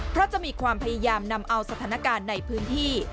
เพราะจะมีความพยายามนำเอาสถานการณ์ในพื้นที่